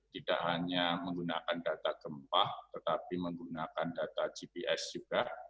tidak hanya menggunakan data gempa tetapi menggunakan data gps juga